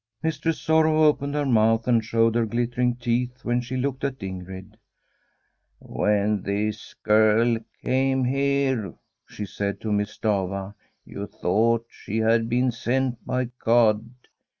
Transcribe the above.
Mistress Sorrow opened her mouth and showed her glittering teeth when she looked at Ingrid. * When this girl came here,* she said to Miss Stafva, * you thought she had been sent by God.